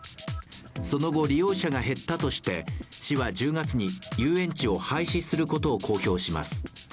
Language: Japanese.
その後、利用者が減ったとして市は１０月に遊園地を廃止することを公表します。